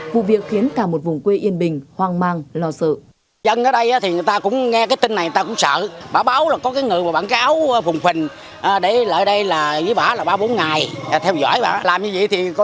vụ việc khiến cả một vùng quê yên bình hoang mang lo sợ